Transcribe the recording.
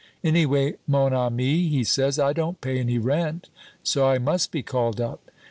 Anyway, mon ami,' he says, 'I don't pay any rent, so I must be called up.'